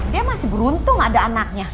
dia masih beruntung ada anaknya